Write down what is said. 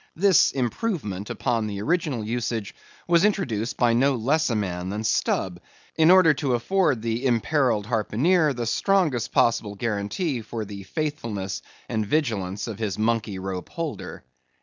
This improvement upon the original usage was introduced by no less a man than Stubb, in order to afford the imperilled harpooneer the strongest possible guarantee for the faithfulness and vigilance of his monkey rope holder.